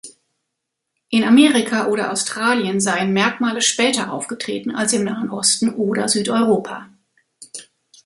In Amerika oder Australien seien Merkmale später aufgetreten als im Nahen Osten oder Südeuropa.